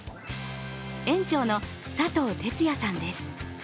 園長の佐藤哲也さんです。